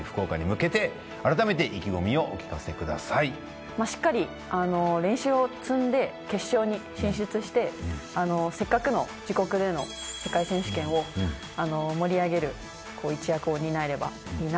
では最後に今回のしっかりあの練習を積んで決勝に進出してせっかくの自国での世界選手権を盛り上げる一翼を担えればいいなっていうふうに思ってます。